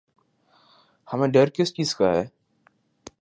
ہمیں ڈر کس چیز کا ہے؟